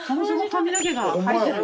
髪の毛が生えてる。